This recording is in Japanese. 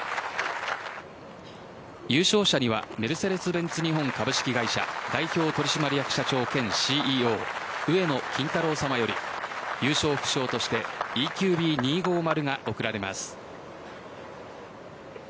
優勝者にはメルセデス・ベンツ日本株式会社代表取締役社長兼ＣＥＯ上野金太郎さまより優勝副賞としてＥＱＢ２５０が贈られます。